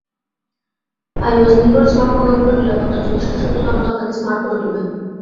IOS নির্ভর smart পণ্যগুলোর নিরাপত্তায় যথেষ্ট সচেতনতা আপনাকে স্মার্ট করে তুলবে।